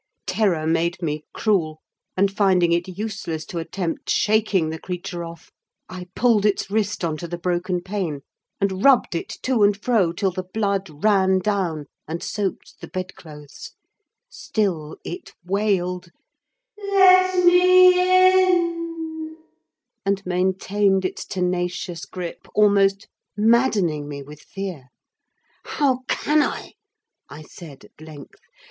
Terror made me cruel; and, finding it useless to attempt shaking the creature off, I pulled its wrist on to the broken pane, and rubbed it to and fro till the blood ran down and soaked the bedclothes: still it wailed, "Let me in!" and maintained its tenacious gripe, almost maddening me with fear. "How can I!" I said at length.